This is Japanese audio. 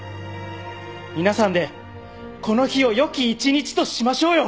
皆さんでこの日を良き一日としましょうよ！